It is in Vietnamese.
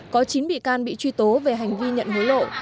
có chín bị can bị truy tố về hành vi nhận hối lộ